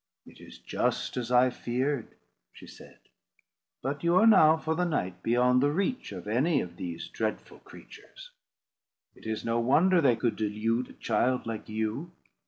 "It is just as I feared," she said; "but you are now for the night beyond the reach of any of these dreadful creatures. It is no wonder they could delude a child like you.